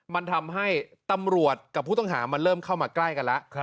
มันทำให้ตำรวจกับผู้ต้องหามันเริ่มเข้ามาใกล้กันแล้ว